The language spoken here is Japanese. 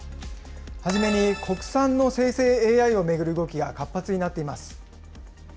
はじめに国産の生成ＡＩを巡る動きが活発になっています。